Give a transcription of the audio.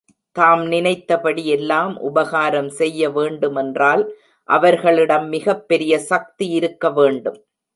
தாம் நினைத்தபடி எல்லாம் உபகாரம் செய்ய வேண்டுமென்றால் அவர்களிடம் மிகப் பெரிய சக்தி இருக்க வேண்டும்.